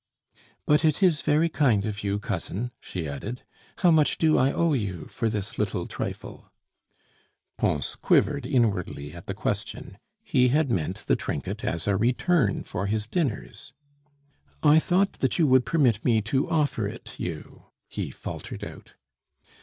"But it is very kind of you, cousin," she added. "How much to I owe you for this little trifle?" Pons quivered inwardly at the question. He had meant the trinket as a return for his dinners. "I thought that you would permit me to offer it you " he faltered out.